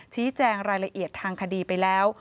ชี้แจงรายละเอียดทางคดีไปแล้ว